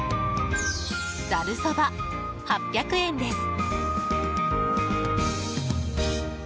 ざるそば、８００円です。